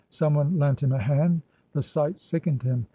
Someone lent him a hand. The sight sickened him.